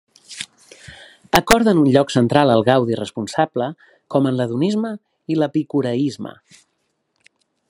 Acorden un lloc central al gaudi responsable com en l'hedonisme i l'epicureisme.